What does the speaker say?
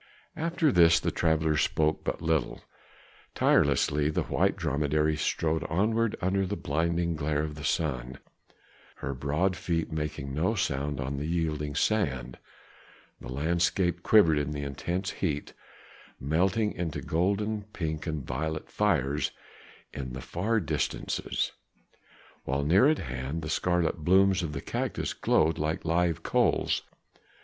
After this the travelers spoke but little. Tirelessly the white dromedary strode onward under the blinding glare of the sun, her broad feet making no sound on the yielding sand; the landscape quivered in the intense heat, melting into golden, pink and violet fires in the far distances, while near at hand the scarlet blooms of the cactus glowed like live coals.